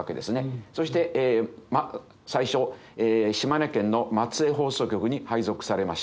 そして最初島根県の松江放送局に配属されました。